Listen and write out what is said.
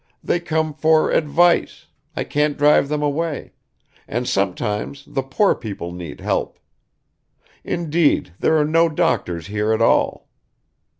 They come for advice I can't drive them away and sometimes the poor people need help. Indeed there are no doctors here at all.